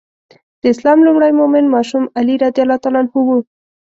د اسلام لومړی مؤمن ماشوم علي رض و.